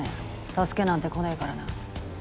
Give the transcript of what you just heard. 助けなんて来ねぇからな。